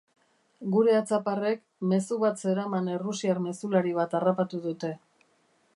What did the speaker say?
Gure atzaparrek mezu bat zeraman errusiar mezulari bat harrapatu dute.